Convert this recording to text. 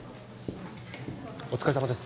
お疲れさまです・